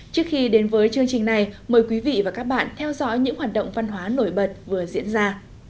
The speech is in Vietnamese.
trước khi đến với chương trình này mời quý vị và các bạn theo dõi những hoạt động văn hóa nổi bật vừa diễn ra